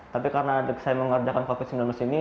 tapi karena saya mengadakan covid sembilan belas ini